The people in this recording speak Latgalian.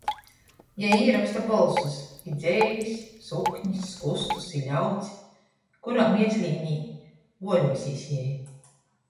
Jei īroksta bolsus i dzeivis, suknis, skustus i ļauds. Kurā mieslīnī vuoļuosīs jei.